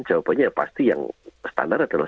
jawabannya pasti yang standar adalah